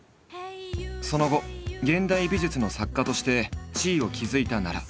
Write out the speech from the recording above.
その後現代美術の作家として地位を築いた奈良。